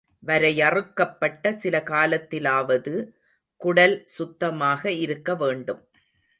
வரையறுக்கப்பட்ட சில காலத்திலாவது, குடல் சுத்தமாக இருக்க வேண்டும்.